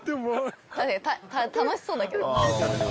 楽しそうだけど。